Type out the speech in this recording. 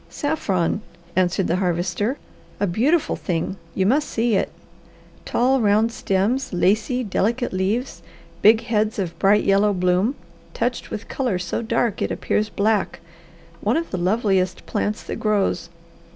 "Saffron," answered the Harvester. "A beautiful thing! You must see it. Tall, round stems, lacy, delicate leaves, big heads of bright yellow bloom, touched with colour so dark it appears black one of the loveliest plants that grows.